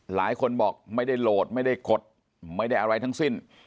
หลายคนบอกไม่ได้โหลดไม่ได้กดไม่ได้อะไรทั้งสิ้น